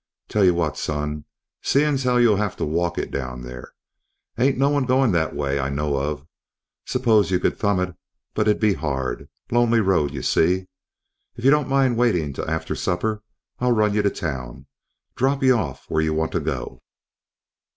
"Tell y'what, son, seein's how you'll have t'walk it down there. Ain't no one goin' that way, I know of. S'pose y'could thumb it, but it'd be hard. Lonely road, y'see. If y'don't mind waitin' till after supper, I'll run y'down to town. Drop y'off where y'want to go."